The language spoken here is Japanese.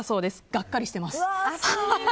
がっかりしてます。